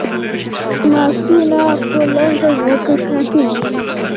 ماسونه په لنده ځمکه شنه کیږي